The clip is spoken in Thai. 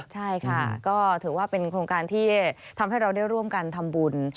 ใช่ค่ะก็ถือว่าเป็นโครงการที่ทำให้เราได้ร่วมกันทำบุญ